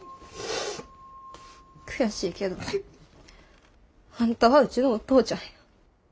悔しいけどあんたはうちのお父ちゃんや。